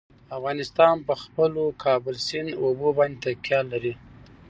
افغانستان په خپلو کابل سیند اوبو باندې تکیه لري.